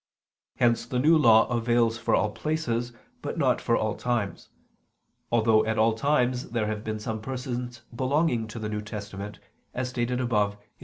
Hence the New Law avails for all places, but not for all times: although at all times there have been some persons belonging to the New Testament, as stated above (A.